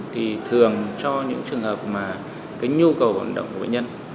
thì thường cho những trường hợp mà cái nhu cầu hoạt động của bệnh nhân